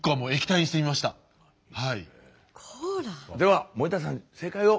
では森田さん正解を。